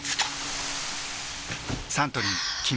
サントリー「金麦」